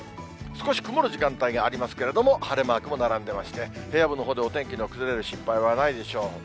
少し曇る時間帯がありますけれども、晴れマークも並んでまして、平野部のほうでお天気の崩れる心配はないでしょう。